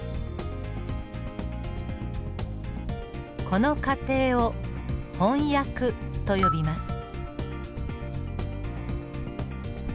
この過程を翻訳と呼びます。